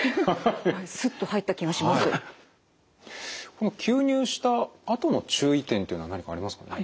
この吸入したあとの注意点っていうのは何かありますかね？